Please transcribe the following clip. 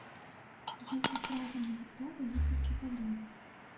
Ездзяць разам на выставы некалькі гадоў.